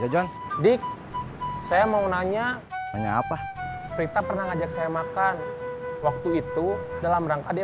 ya john di saya mau nanya nanya apa berita pernah ngajak saya makan waktu itu dalam rangka dia